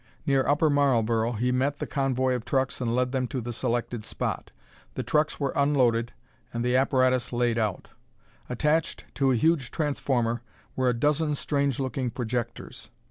Near Upper Marlboro, he met the convoy of trucks and led them to the selected spot. The trucks were unloaded and the apparatus laid out. Attached to a huge transformer were a dozen strange looking projectors.